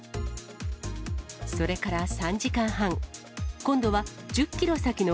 それから３時間半。